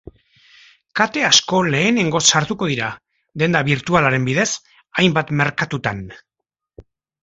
Kate asko lehenengoz sartuko dira, denda birtualaren bidez, hainbat merkatutan.